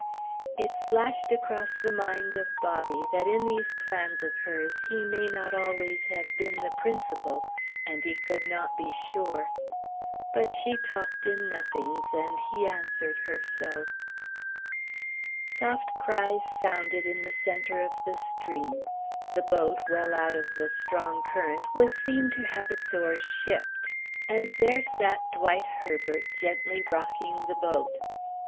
It flashed across the mind of Bobby that in these plans of hers he may not always have been the principal, and he could not be sure ... But she talked in nothings, and he answered her so. Soft cries sounded in the centre of the stream. The boat, well out of the strong current, was seen to have its oars shipped; and there sat Dwight Herbert gently rocking the boat.